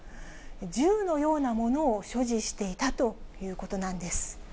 銃のようなものを所持していたということなんです。